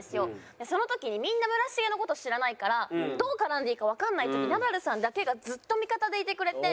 その時にみんな村重の事知らないからどう絡んでいいかわかんない時ナダルさんだけがずっと味方でいてくれて。